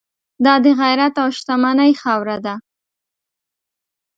دا د غیرت او شتمنۍ خاوره ده.